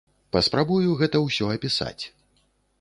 Паспрабую гэта ўсё апісаць.